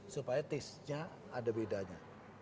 supaya tastenya ada bedanya